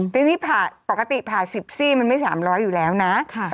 ทีนี้ผ่าปกติผ่า๑๐ซี่มันไม่๓๐๐อยู่แล้วนะ